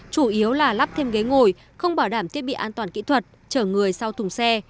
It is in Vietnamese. chủ yếu là lắp thêm ghế ngồi không bảo đảm thiết bị an toàn kỹ thuật chở người sau thùng xe